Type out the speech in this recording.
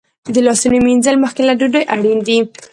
د لاسونو مینځل مخکې له ډوډۍ اړین دي.